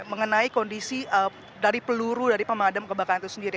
mengenai kondisi dari peluru dari pemadam kebakaran itu sendiri